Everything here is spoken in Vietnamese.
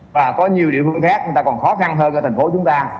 và có nhiều địa phương khác chúng ta còn khó khăn hơn ở thành phố chúng ta